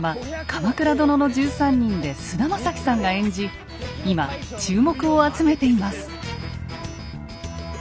「鎌倉殿の１３人」で菅田将暉さんが演じ今注目を集めています。